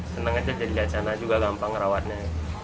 senang aja jadi wacana juga gampang rawatnya